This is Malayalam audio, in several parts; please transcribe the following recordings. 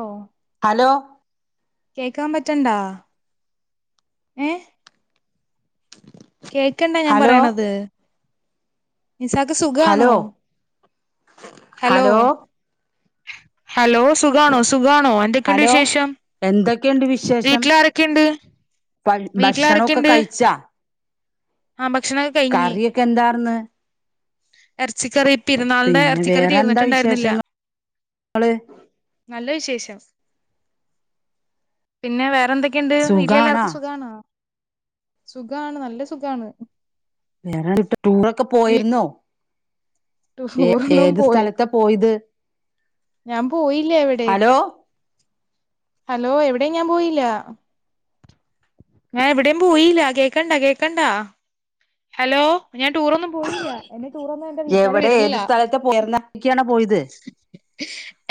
ഓഹ് ഹലോ കേക്കാൻ പറ്റണ്ടാ ഏഹ് കേൾക്കണ്ടാ ഞാൻ ഹലോ പറയണത് ഇസാക്ക് സുഖാണോ ഹലോ ഹലോ ഹലോ സുഖാണോ സുഖാണോ എന്തെക്കെണ്ട് ഹലോ വിശേഷം എന്തൊക്കെയുണ്ട് വിശേഷം വീട്ടില് ആരെക്കെണ്ട് വീട്ടില് ആരെ ക്കെണ്ട് കറിയക്ക എന്താർന്ന് എറച്ചിക്കറി പെരുന്നാളിന്റെ പിന്നെ എറച്ചിക്കറി വേറെന്താ തീർന്നിട്ടുണ്ടായിരുന്നില്ല വിശേഷങ്ങള് നല്ല വിശേഷം പിന്നെ വേറെന്തെ ക്കെയുണ്ട് സുഖാണാ വീട്ടിലെല്ലാവർക്കും സുഖാണോ സുഖാണ് നല്ല സുഖാണ് വേറെ [unintelligible] ടൂറൊക്കെ വി പോയിരുന്നോ ഏ ടൂറൊന്നും ഏത് പോയി സ്ഥലത്താ പോയത് ഞാൻ പോയില്ല എവിടെയും ഹലോ ഹലോ എവിടെയും ഞാൻ പോയില്ല ഞാൻ എവിടെയും പോയില്ല കേക്കണ്ടാ കേക്കണ്ടാ ഹലോ ഞാൻ ടൂറൊന്നും പോയില്ല ടൂറൊന്നും എന്റെ വീട്ടുകാര് എവിടെ ഏത് വിടണില്ല സ്ഥലത്തെ [unintelligible] പോയത്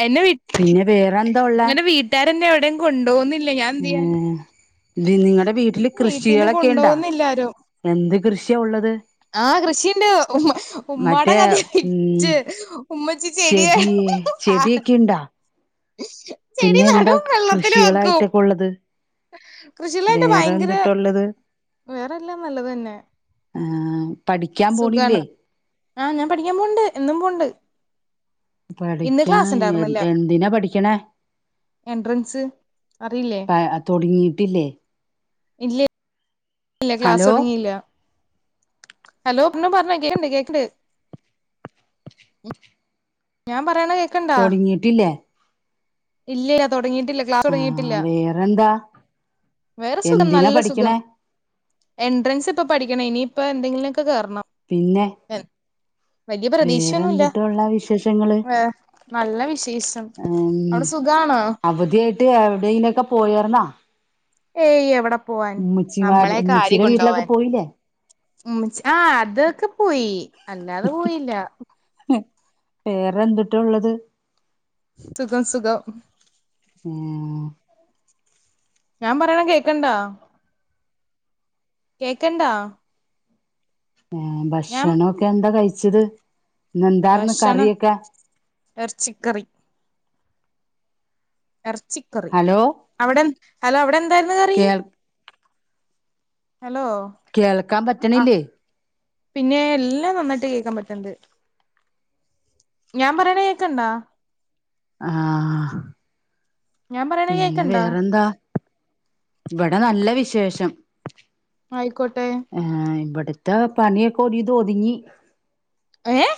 എന്നെ പിന്നെ വേറെ എന്താ ഉള്ളെ എന്നെ എവിടെയും കൊണ്ടോന്നില്ല ഞാൻ എന്തെയ്യാനാ ദി നിങ്ങളടെ വീട്ടില് കൃഷികളൊക്കെ ഉണ്ടാ കൊണ്ടുപോകുന്നില്ലാരും എന്ത് കൃഷി ഉള്ളത് ആ കൃഷിയുണ്ട് ഉമ്മ ഉമ്മാടെ മറ്റേ കഥയാ ഉം വിറ്റ് ഉമ്മച്ചി ചെടി ചെടിയൊക്കെ ഇണ്ടാ [unintelligible] ചെടി പിന്നെ എന്താ നടും വെള്ളത്തില് വെക്കും കൃഷികളായിട്ടൊക്കെ ഉള്ളത് കൃഷിയിലായിട്ട് വേറെ ഭയങ്കര എന്തുട്ടുള്ളത് വേറെല്ലാം നല്ലത് തന്നെ ആ പഠിക്കാൻ പോണില്ലേ ആഹ് ഞാൻ പഠിക്കാൻ പോന്നുണ്ട് എന്നും പോണ്ട് ഇന്ന് പഠിക്കാ ക്ലാസ് ഉണ്ടായിരുന്നില്ല എന്തിനാ പഠിക്കണേ എൻട്രൻസ് അറിയില്ലേ പ തൊടങ്ങിട്ടില്ലേ [unintelligible] ഇല്ല ക്ലാസ് തുടങ്ങിയില്ല ഹലോ പിന്നെ പറഞ്ഞോ കേക്കണ്ട് കേക്കണ്ട് ഞാൻ പറ തുടങ്ങിയിട്ട് ഇല്ലേ ഇല്ലില്ല തൊടങ്ങി ഇല്ല ക്ലാസ്സ് ആ തുടങ്ങിട്ടില്ല വേറെന്താ വേറെ സുഖം എന്തിനാ നല്ല സുഖം പഠിക്കണേ എൻട്രൻസ് ഇപ്പം പഠിക്കണം ഇനിയിപ്പൊ എന്തെങ്കിലും കേറണം വലിയ പ്രതീക്ഷയൊന്നുല്ല വേറെന്തുട്ടാ ഉള്ള വിശേഷങ്ങള് ഏ നല്ല വിഷ് [unintelligible] അവിടെ സുഖണോ എവിടനൊക്കെ പോയരുന്നാ ഏയ് എവിടെ പോവാൻ നമ്മളെക്കൊര്യ ഉമ്മച്ചിയുടെ വീട്ടിലൊക്കെ കൊണ്ടോവാൻ പോയില്ലേ ഉം ആ അതൊക്കെ പോയി അല്ലാതെ പോയില്ല പേറെന്തിട്ട ഉള്ളത് സുഖം സുഖം ഉം ഞാൻ പറയണം കേക്കണ്ടാ കേക്കണ്ടാ ഞാൻ ഭക്ഷണ ഒക്കെ എന്താ കഴി ച്ചിത് ന്ന് എന്താർന്ന് കറിയൊക്കെ ഏർച്ചിക്കറി എർച്ചിക്കറി ഹലോ അവിടെ ഹലോ അവിടെ എന്തായിരുന്നു കറി ഹലോ കേൾക്കാം ആഹ് പറ്റണില്ലേ പിന്നെ എല്ലാം നന്നായിട്ട് കേക്കാൻ പറ്റണ്ട് ഞാൻ പറയണ കേക്കണ്ടാ ആഹ ഞാൻ പറയണ പിന്നെ കേക്കണ്ടാ വേറെന്താ ഇവിടെ നല്ല വിശേഷം ആയിക്കോട്ടെ ഏ ഇവിടത്തെ പണിയൊക്കെ ഒരു വിധം ഒതുങ്ങി ഏഹ്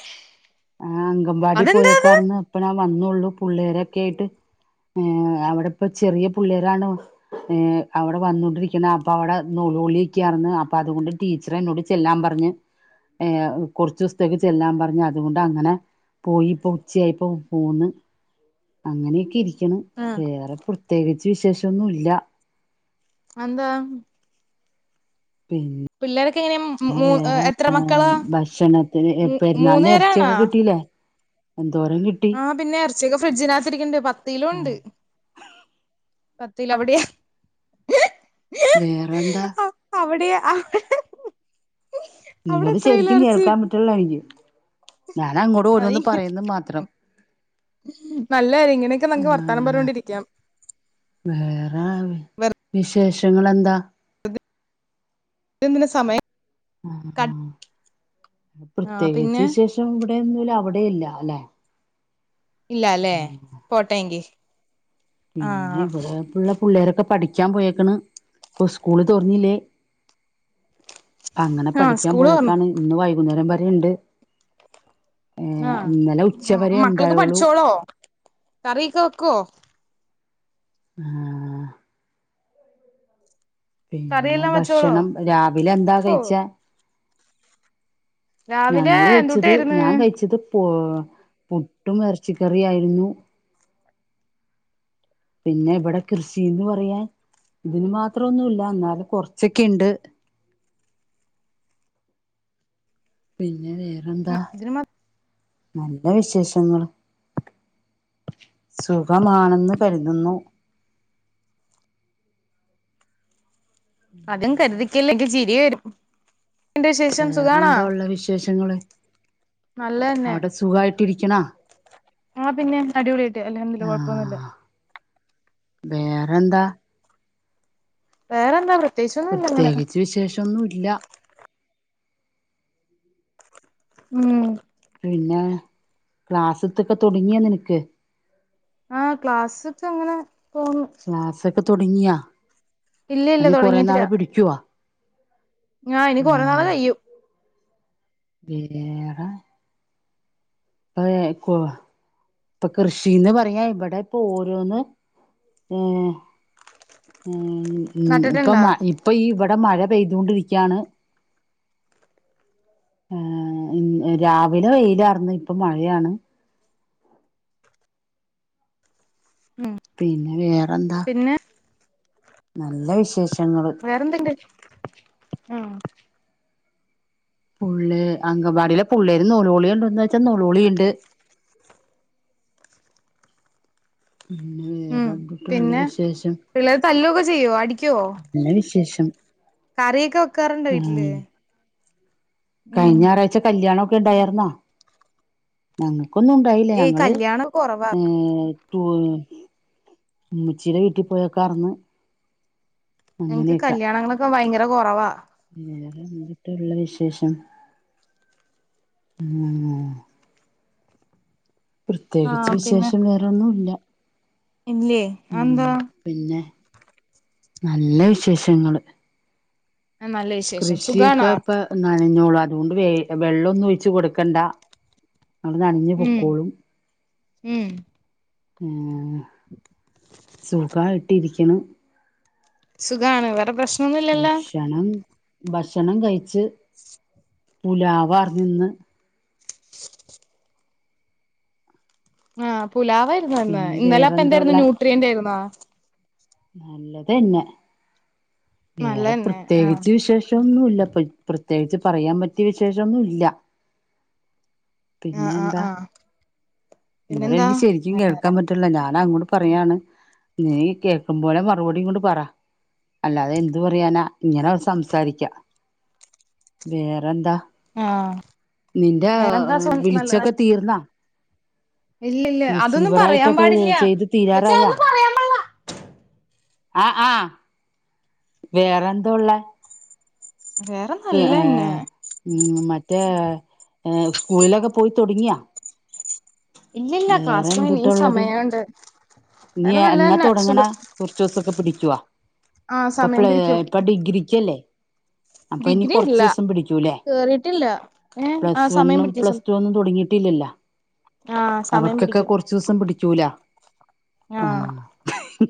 ആ അങ്കൻവാടി അതെന്താത് പോയക്കാർന്ന് ഇപ്പ വന്നുള്ളു പുള്ളേരൊക്കെ ആയിട്ട് അവിടെപ്പ ചെറിയ പിള്ളേരാണ് അവിടെ വന്നോണ്ടിരിക്കണ അപ്പ അവിടെ നളി [unintelligible] യൊക്കെ ർന്ന് ഇറന്ന് അപ്പം അതുകൊണ്ട് ടീച്ചർ എന്നോട് ചെല്ലാൻ പറഞ്ഞ് ഏ കുറച്ച് ദിവസത്തേക്ക് ചെല്ലാൻ പറഞ്ഞ്അതുകൊണ്ട് അങ്ങനെ പോയി ഇപ്പോ ഉച്ചയായിപ്പോ പോന്ന് അങ്ങനെയൊക്കെ ഇരി [unintelligible] ആഹ് വേറെ പ്രത്യേകിച്ച് വിശേഷ മറ്റൊന്നുമല്ല അന്താ പിൻ എങ്ങനെ മൂ വേറെ എത്ര മക്കളാ ഭക്ഷണത്തിന് മൂ പെരുന്നാൾ മൂന്ന് ന് പേരാണാ ഇതച്ചിയൊക്കെ കിട്ടീല്ലേ എന്തോരം കിട്ടി ച്ച് ഫ്രിഡജിനകത്തിരിക്കണ്ട് പ തിലുണ്ട് പത്തീല അവിടെ വേറെന്താ? അഹ് ഹ. നിങ്ങള് ശരിക്കും കേൾക്കാൻ പറ്റുള്ള എനിക്ക്. ഞാൻ അങ്ങോട്‌ അത് ഓരന്ന് പറയുന്ന മാത്രം നല്ല കാര്യം ഇങ്ങനെയൊക്കെ നമുക്ക് വർത്താനം ആ പറഞ്ഞോണ്ടിരിക്കാം വേറെ വെറുതെ വിശേഷ റ്റങ്ങളെന്താ? ത്‌ന്തിന സമയം ആഹ് ക ആ ആഹ് പ്രത്യേകിച്ച് പിന്നെ വിശേഷം ഇ ഇടിടെ ഒന്നുംല്ല അവിടെയില്ല അല്ലെ? ഇല്ല അല്ലെ പോട്ടെങ്കി. പിന്നെ ആഹ് ഇവടെ പിള്ള പുള്ളേരൊക്കെ പഠിക്ക ച്ചാൻ പോയേക്കണ് ഇപ്പോ സ്കൂള് തോറന്നില്ലേ? അങ്ങനെ ആഹ് പഠിക്കാൻ സ്കൂള് തൊറന്ന് പോയൊക്കാണ്. ഇന്ന് വൈകുന്നേരം വരെ രണ്ട്. ആഹ് മക്കൾക്കെ പഠിച്ചോളോ? കറിയൊക്കെ വെക്കോ? ആഹ് പിന്ന കറിയെല്ലാം വെച്ചോളോ ഭക്ഷണം രാവിലെ എന്താ ഓ കഴിച്ചേ? രാവിലെ എന്തൂട്ടായിരുന്ന്? പൊ പുട്ടും ഇറച്ചിക്കറിയായിരുന്നു. പിന്നെ ഇവിടെ കൃഷീന്ന് പറയാൻ ഇതിന് മാത്രം ഒന്നുല്ല ന്നാലും കൊറച്ചൊക്കെ ഇണ്ട്. പിന്നെ വേ ആഹ് ഇതിന് മ നല്ല വിശേഷങ്ങള് സുഖമാണെന്ന് കരുതുന്നു. അതും കരുതി ക്കല്ലേ എനിക്ക് ചിരി വരും. എന്ത് വിശേഷം വേറെ സുഖാണോ എന്താ ഉള്ള വിശേഷങ്ങള് നല്ലതന്നെ അവിടെ സുഖായി ട്ടിരിക്കണോ? ആഹ് പിന്നെ അടിപൊളിയായിട്ട് അൽഹംദുലില്ലാഹ് കൊഴപ്പൊന്നു ഇല്ല. വേറെ എന്താ? വേറെ എന്താ പ്രേ പ്രത്യേകിച്ച് വിശേഷം ഒന്നും ഇല്ല. ഉം പിന്നെ ക്ലാസിത്തൊക്കെ തുടങ്ങിയാ നിനക്ക്? ആഹ് ക്ലാസൊക്കെ അങ്ങനെ പോന്നു. തൊടങ്ങിയാ? ഇല്ല ഇല്ല തൊടങ്ങീറ്റ് ഇല്ല. ങ്ങാ ഇനി കൊറേ നാൾ കയ്യും. വിരെറെ അതെ കോ ഇപ്പ കൃഷിന്ന് പറയാ ഇബെടെ ഇപ്പ ഓരോന്ന് ഏ ഏ ഉം ഇപ്പ നട്ടിട്ടുണ്ടാ മഴ ഇപ്പം ഈ ഇബെ വിടെ മഴ പെയ്തൊണ്ടിരിക്കാണ് ഏ രാവിലെ വെയിലർന്ന് ഇപ്പൊ മഴയാണ് ഉം പിന്നെ വേറെന്താ പിന്നെ നല്ല വിശേഷങ്ങള് വേറെന്ത്ണ്ട് ഉം പുള്ള് അങ്കവാടിയിലെ പുള്ളേര് നൊലോളി ഉണ്ടോന്ന് വെച്ച നൊലോളിണ്ട് പിന്നെ ഉം വേറെന്തൂട്ട പിന്നെ വിശേഷം പിള്ളേര് തല്ലൊക്കെ ചെയ്യോ അടിക്കുവോ നല്ല വിശേഷം [unintelligible] കറിയൊക്കെ വെക്കാറുണ്ടോ വീട്ടില് ഉം കഴിഞ്ഞായറാഴ്ച കല്യാണം ണ്ടായിരുന്നോ ഉം ഒന്നുംണ്ടായില്ലേ ഏയ് ഞങ്ങള് കല്യാണം കൊറവാ ഏ ച്ചീടെ വീട്ടിൽ പോയേക്കാർ ന്ന് എങ്ങക്ക് കല്യാണങ്ങളൊക്കെ ഭയങ്ക ര കുറവാ വേറെ [unintelligible] ട്ടള്ള വിശേഷം ഉ പ്രത്യേകിച്ച് ആഹ് പിന്നെ വിശേഷം വേറൊന്നു ഇല്ല ഇല്ലേ ഉം അതെന്താ പിന്നെ നല്ല വിശേഷങ്ങള് നല്ല വിശേഷം കൃഷിയൊക്കെ സുഖാണോ ഇപ്പ നനഞ്ഞോളാ അതുകൊണ്ട് വേഗം വെള്ളൊന്നും ഒഴിച്ച് കൊടുക്കണ്ട അത് നനഞ്ഞ് ഉം പൊക്കോളും ഉം ഉം സുഖായിട്ട് ട്ടിരിക്കണം സുഖണ്. വേറെ പ്രശ് ഭക്ഷണം ഭക്ഷണം കഴച്ച് പുലാവാർ നിന്ന് ആഹ് പുലാവായിരുന്നുന്ന് പിന്നെ ഇന്നലെ അപ്പൊ എന്തായിരുന്നു ന്യൂട്രിയന്റ് ആരുന്നോ നല്ലതെന്നേ വേറെ നല്ലതന്നെ ആഹ് പ്രത്യേകിച്ച് വിശേഷൊന്നുല്ലപ്ര പ്രത്യേകിച്ച് പറയാൻ പറ്റിയ വിശേഷോന്നുല്ല പിന്നെ ആഹ് ആഹ് എന്താ ആഹ് ഇങ്ങോടെ പിന്നെന്താ എനിക്ക് ശരിക്കും കേൾക്കാൻ പറ്റൂല ഞാനാ അങ്ങോട്ട് പറയാണ് നീ കേ കേക്കുംപോലെ മറുപടിയും കൊണ്ട് പറ അല്ലാതെ എന്ത്‌ പറയാനാ ഇങ്ങനെ സംസാരിക്കാം വേറെ എന്താ ആഹ് നിന്റെ വേറെന്താ സു നല്ലതാ വിളിച്ചൊക്കെ തീർന്നാ ഇല്ലില്ല അതൊന്നും പറയാൻ റിസീവറായിട്ടൊക്കെ പാടില്ല ചെയ്ത് കൊച്ചേ അതൊന്നും പറയാൻ പാടില്ല ആഹ് ആ വേറെന്ത ഉള്ളെ വേറെ നല്ലന്നെ റ്റേ സ്കൂളിലൊക്കെ പോയി തുടങ്ങിയാ ഇല്ലില്ല വേറെ ക്ലാസ്സിന് എന്തുട്ടാ ഇനിയും ള്ളത് സമയമുണ്ട് ഇനി വേറെ എന്നാ നല്ലതന്നെ തുടങ്ങണ സുഖം കുറച്ചോസൊക്കെ പിടി ചക്കുവാ ആ ഇപ്പൊ സമയം പ്ലേ പിടിക്കും ഇപ്പൊ ഡിഗ്രിക്കല്ലേ അപ്പൊ ഇനി ഡിഗ്രി കുറച്ച് ഇല്ല ദിവസം പിടിക്കൂല്ലേ കേറിട്ടില്ല ഏ ആ സമയം പിടിച്ച സമയം വീട്ടിലില്ല അവർക്കൊക്കെ പിടിക്കും കുറച്ച് ദിവസം പിടിക്കൂല ആ ആഹ്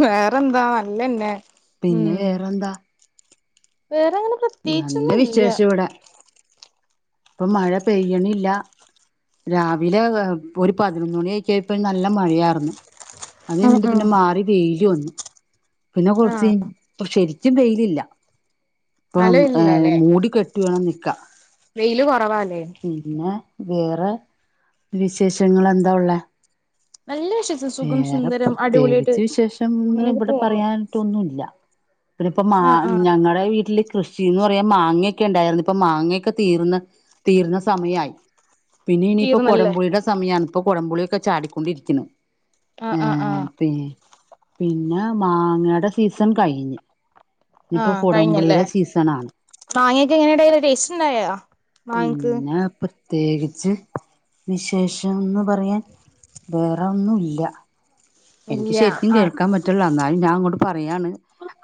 വേറെന്താ നല്ലന്നെ പിന്നെ വേറെന്താ വേറങ്ങനെ നല്ല പ്രത്യേകിച്ചൊന്നും ഇല്ല വിശേഷം ഇവിടെ ഇപ്പൊ മഴ പെയ്യണില്ല രാവിലെ ഒരു പതിനൊന്ന് മണി ആയിക്കയപ്പ നല്ല മഴയാർന്ന് അത് ഉം കഞ്ഞിട്ട് ഉം പിന്നെ മാറി വെയില് വന്നു പിന്നെ ആ കുറച്ച് [unintelligible] ച്ചും വെയിലില്ല നല്ല ഇപ്പം വെയിലില്ലല്ലേ മൂടി കെട് ട്ടി വേണം നിൽക്കാ വെയില് കുറവാല് പിന്നെ വേറെ വിശേഷങ്ങൾ എന്താ ഉള്ളെ? നല്ല വിശേഷം സുഖം വേറെ സുന്ദരം അടിപൊളിയായിട്ട് പ്രത്യേകിച്ച് വിശേഷംന്ന് ഇങ്ങനെയൊക്കെ ഇവിടെ പോന്നു പറയാട്ടൊന്നുമില്ല പിന്ന ഇപ്പ മാ ആ ആ ഞങ്ങളടെ വീട്ടില് കൃഷീന്ന് പറയാൻ മാങ്ങയൊക്കെ ഉണ്ടായിരുന്നു ഇപ്പൊ മാങ്ങയൊക്കെ തീർന്ന് തീർന്ന സമയായി പിന്നെ ഇനിയിപ്പ തീർന്നല്ലേ കൊടംപുളിയുടെ സമയമാണ് ഇപ്പ കൊടംപുളി ചാടിക്കൊണ്ടിരിക്കണ് ആഹ് ആഹ് ആഹ് പിന്നെ മാങ്ങയുടെ സീസൺ കഴിഞ്ഞ് ഇനിയിപ്പോ ആഹ് കഴിഞ്ഞ് അല്ലെ? കുടംപുളിയുടെ സീസണാണ് മാങ്ങെക്കെ എങ്ങനെ ഇണ്ടായ്ന്ന് ടേസ്റ്റ് ഇണ്ടായോ? പിന്നെ അയ്പ്പ പ്രത്യേകിച്ച് വിശേഷംന്ന് പറയാൻ വേറെ ഒന്നും ഇല്ല. എനിക്ക് ഇല്ല ശരിക്കും ആഹ് കേൾക്കാൻ പറ്റ്ൺ ഇല്ല ഇന്നാ ഞാ അങ്ങോട്ട് പർ ഫ്രീയാണ്.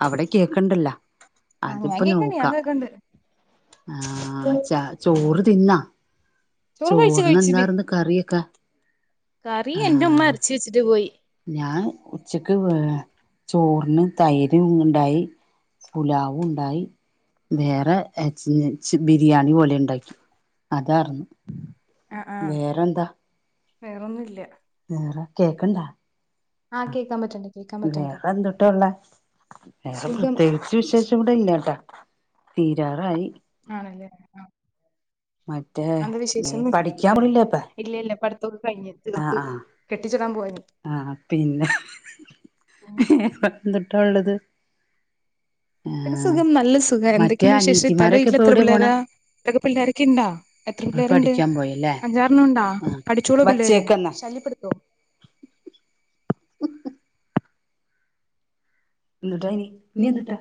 അവ്ടെ കേക്ക് ഇണ്ടെല്ലോ? ആഹ് ഞാൻ അതിപ്പോ കേക്കണ്ട് ഞാൻ നോക്കാം കേക്കണ്ട് ആഹ് ചാ ചോറ് തിന്നാ? ചോറ് കഴിച്ച് ചോറ്ന് കഴിച്ച് ബി എന്താർന്ന് കറിയൊക്കെ? കറി എന്റുമ്മ അര്ച്ചച്ചിട്ട് പോയി. ഞാഹ് ഉച്ചക്ക് ഏ ചോറിന് തൈര് ഉണ്ടായി പുലാവും ഉണ്ടായി വേറെ എചി എച് ബിരിയാണി പോലെ ണ്ടാക്കി അതാർന്ന് വേറെന്താ? വേറൊന്നുല്ല്യ വേറെ കേക്ണ്ടാ ആഹ് കേക്കാൻ പറ്റണ്ട് കേക്കാൻ പറ്റണ്ട് വേറെ എന്തുട്ടുള്ള വേറെ സുഖം പ്രത്യേകിച്ച് വിശേഷം ഇടെ ഇല്ലട്ടാ. തീരറായി ആണല്ലേ ആഹ് മറ്റേ അന്ത നീ വിശേഷൊന്നും പഠിക്കാൻ ഇല്ലാത്തെ [unintelligible] ഇല്ല ഇല്ല പഠിത്തൊക്കെ കഴിഞ്ഞ് ആഹ് തീർത്ത് ആഹ് കെട്ടിച്ചിടാൻ പോയന് ആഹ് അഹ് പിന്നെ പന്തിട്ടാ ഉള്ളത്? പിന്നെ ആഹ് സുഖം നല്ല സുഖം മറ്റേ എന്തൊക്കെണ്ട് വിശേഷം? ഇത്തന്റെ അനിയത്തിമാരൊക്കെ വീട്ടില് ഇപ്പൊ എത്ര എവിടെയാ പിള്ളേരാ? പോണെ ത്തക്ക്‌ പിള്ളേരൊക്കെ ഇണ്ടാ? എത്ര അത് പിള്ളേര്ണ്ട്? പഠിക്കാൻ പോയല്ലേ അഞ്ചാർണ്ണം ണ്ടോ? ആഹ് പഠിച്ചോളോ പിള്ളേര്? വച്ചേക്കന്നെ ശല്യപ്പെടുത്തോ? എന്തുട്ടാനി നിയെന്തുട്ടാ